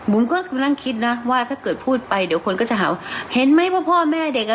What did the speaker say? กำลังคิดนะว่าถ้าเกิดพูดไปเดี๋ยวคนก็จะเห่าเห็นไหมว่าพ่อแม่เด็กอ่ะ